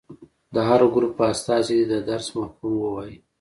د هر ګروپ استازي دې د درس مفهوم ووايي.